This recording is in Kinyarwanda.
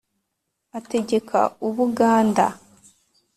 Ategeka u Buganda;